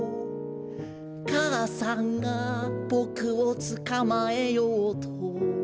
「かあさんがボクをつかまえようと」